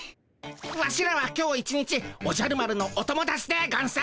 ワシらは今日一日おじゃる丸のお友だちでゴンス。